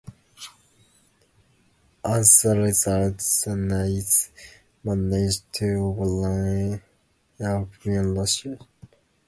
As a result, the Nazis managed to overrun European Russia.